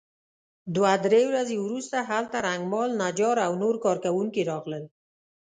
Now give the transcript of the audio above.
دوه درې ورځې وروسته هلته رنګمال نجار او نور کار کوونکي راغلل.